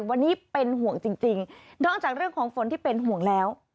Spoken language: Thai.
วันนี้เป็นห่วงจริงนอกจากเรื่องของฝนที่เป็นห่วงแล้ว